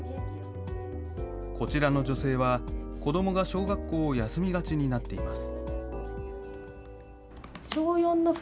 こちらの女性は子どもが小学校を休みがちになっています。